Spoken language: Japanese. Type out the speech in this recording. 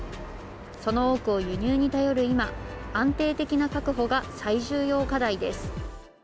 その多くを輸入に頼る今、安定的な確保が最重要課題です。